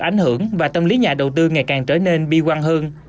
ảnh hưởng và tâm lý nhà đầu tư ngày càng trở nên bi quan hơn